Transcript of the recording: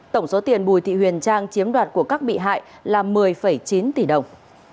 tổng số tiền bùi thị huyền trang chiếm đoạt của các bị hại là một mươi chín tỷ đồng